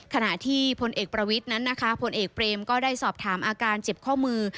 ขณะที่พลเอกประวิทย์นั้นนะคะผลเอกเบรมก็ได้สอบถามอาการเจ็บข้อมือ